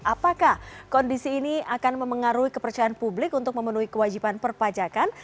apakah kondisi ini akan memengaruhi kepercayaan publik untuk memenuhi kewajiban perpajakan